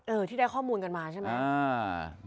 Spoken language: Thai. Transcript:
ที่ได้ข้อมูลกันมาใช่ไหม